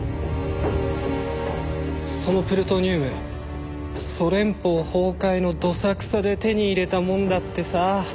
そのプルトニウムソ連邦崩壊のどさくさで手に入れたもんだってさ。